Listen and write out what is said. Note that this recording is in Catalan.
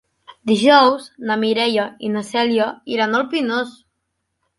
Dijous na Mireia i na Cèlia iran al Pinós.